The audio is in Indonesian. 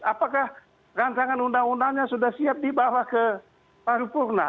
apakah rancangan undang undangnya sudah siap dibawa ke paripurna